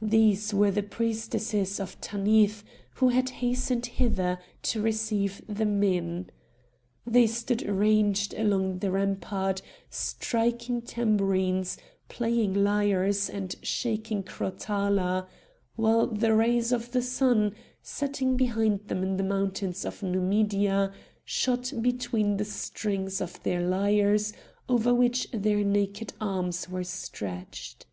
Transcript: These were the priestesses of Tanith, who had hastened hither to receive the men. They stood ranged along the rampart, striking tabourines, playing lyres, and shaking crotala, while the rays of the sun, setting behind them in the mountains of Numidia, shot between the strings of their lyres over which their naked arms were stretched.